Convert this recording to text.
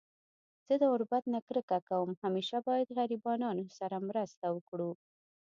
زه د غربت نه کرکه کوم .همیشه باید غریبانانو سره مرسته وکړو